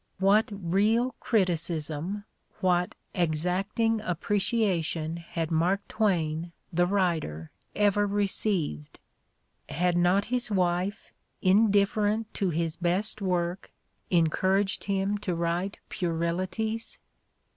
What real criticism, what exacting appreciation had Mark Twain, the writer, ever received ? Had not his wife, indifferent to his best work, encouraged him to write puerilities?